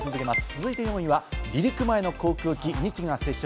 続いて４位は離陸前の航空機２機が接触。